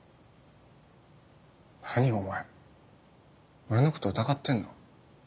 何お前俺のこと疑ってんの？